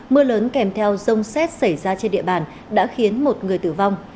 mưa lớn kèm theo rông xét xảy ra trên địa bàn đã khiến một người tử vong